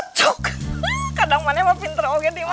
pokoknya kadang kadang pinter pinter